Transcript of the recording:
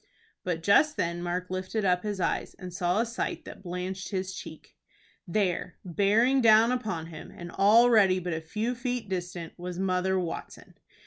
But just then Mark lifted up his eyes, and saw a sight that blanched his cheek. There, bearing down upon him, and already but a few feet distant, was Mother Watson!